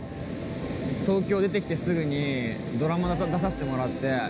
東京出てきてすぐにドラマ出させてもらって。